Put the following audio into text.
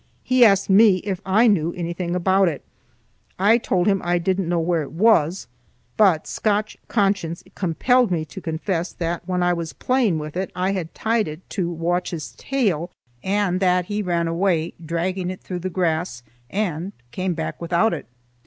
He asked me if I knew anything about it. I told him I didn't know where it was, but Scotch conscience compelled me to confess that when I was playing with it I had tied it to Watch's tail, and that he ran away, dragging it through the grass, and came back without it.